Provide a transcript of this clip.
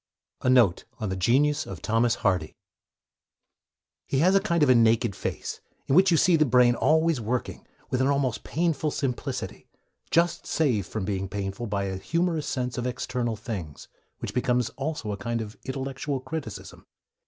A NOTE ON THE GENIUS OF THOMAS HARDY He has a kind of naked face, in which you see the brain always working, with an almost painful simplicity just saved from being painful by a humorous sense of external things, which becomes also a kind of intellectual criticism.